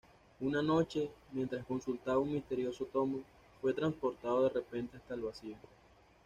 Una noche, mientras consultaba un misterioso tomo, fue transportado de repente hasta el Vacío.